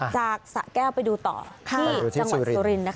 จากสระแก้วไปดูต่อที่จังหวัดซูรินต์นะคะ